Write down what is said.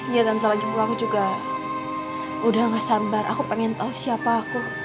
iya tante lagi bu aku juga udah gak sabar aku pengen tahu siapa aku